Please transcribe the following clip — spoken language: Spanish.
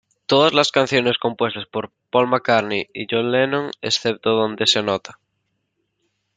Todas las canciones compuestas por Paul McCartney y John Lennon excepto donde se anota.